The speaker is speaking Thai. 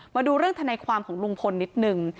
มาดูเรื่องทนายความของลุงพลนิดนึง